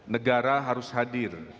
negara harus hadir